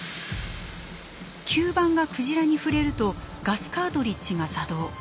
吸盤がクジラに触れるとガスカートリッジが作動。